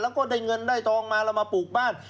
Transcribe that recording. แล้วก็ได้เงินได้ทองมาเรามาปลูกบ้าน